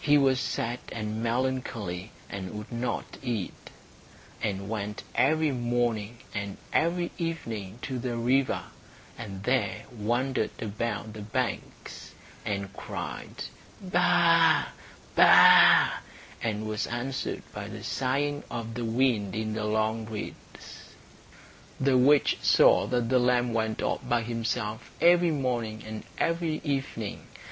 He was sad and melancholy, and would not eat, and went every morning and every evening to the river, and there wandered about the banks, and cried, "Baa, baa," and was answered by the sighing of the wind in the long reeds. The witch saw that the lamb went off by himself every morning and every evening.